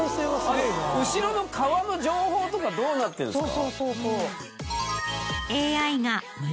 後ろの川の情報とかどうなってるんですか？